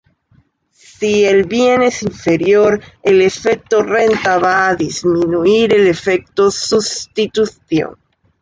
Si el bien es inferior, el efecto renta va a disminuir el efecto sustitución.